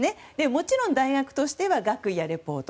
もちろん、大学としては学位論文やレポート